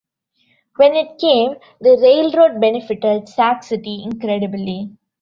When it came, the railroad benefited Sac City incredibly.